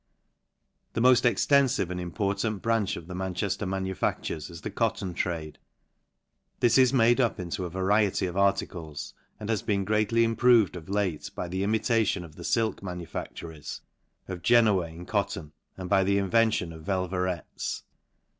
The moll extenfive and important branch of the Manchefter manufactures is the cotton trade. This is made up into a variety of articles, and has been greatly improved of late, by the imitation of the hlk manufactories of Genoa in Cotton, and by the invention of velverets.